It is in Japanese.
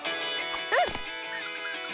うん！